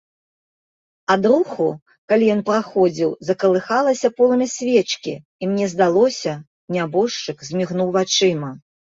Ад руху, калі ён праходзіў, закалыхалася полымя свечкі, і мне здалося, нябожчык змігнуў вачыма.